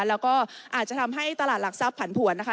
แล้วก็อาจจะทำให้ตลาดหลักทรัพย์ผันผวนนะคะ